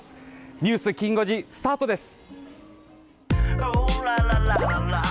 ニュースきん５時スタートです。